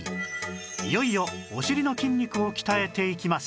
いよいよお尻の筋肉を鍛えていきます